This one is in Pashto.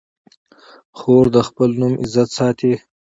خور د خپل نوم عزت ساتي.